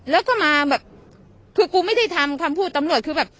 แล้วก็มาแบบคือกูไม่ได้ทำคำพูดตำรวจคือแบบ